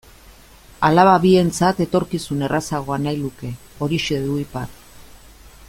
Alaba bientzat etorkizun errazagoa nahi luke, horixe du ipar.